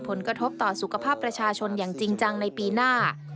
ผลกระทบต่อสุขภาพประชาชนอย่างจริงจังในปีหน้า